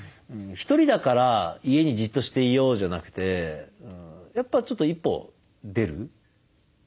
「ひとりだから家にじっとしていよう」じゃなくてやっぱちょっと一歩出る。